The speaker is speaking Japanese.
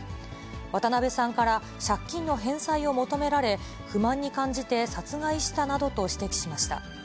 渡辺さんから借金の返済を求められ、不満に感じて殺害したなどと指摘しました。